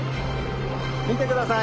見てください！